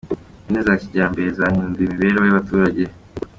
Ihene za kijyambere zahinduye imibereho y’abaturage